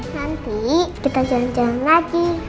nanti kita janjian lagi